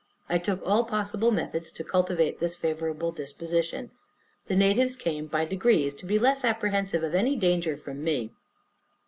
I took all possible methods to cultivate this favorable disposition. The natives came, by degrees, to be less apprehensive of any danger from me.